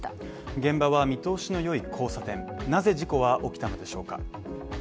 現場は見通しの良い交差点なぜ事故は起きたのでしょうか？